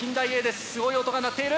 すごい音が鳴っている。